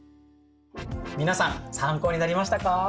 皆さん参考になりましたか？